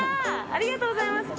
ありがとうございます。